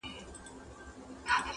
دلته شهیدي جنازې ښخېږي!.